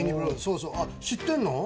知ってんの？